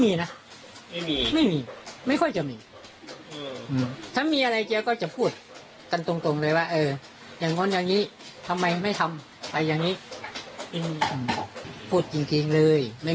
อีกทีคือวันใหม่แล้วไปเจอสบแล้ว